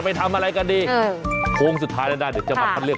มีเอ่อรูปเมีย